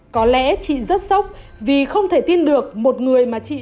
có lẽ chị rất sốc vì không thể tin được một người mà chị